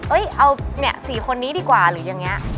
เอ้ยเอาสี่คนนี่ดีกว่าหรือยังงี้